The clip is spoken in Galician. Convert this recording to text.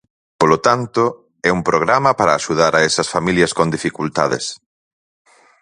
Polo tanto, é un programa para axudar a esas familias con dificultades.